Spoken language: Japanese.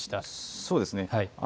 そうですね。